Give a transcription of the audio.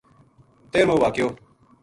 تیرہموواقعو